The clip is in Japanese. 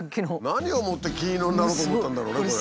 何を思って金色になろうと思ったんだろうねこれ。